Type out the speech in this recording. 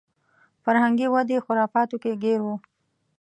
فرهنګي ودې خرافاتو کې ګیر و.